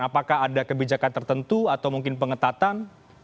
apakah ada kebijakan tertentu atau mungkin pengetatan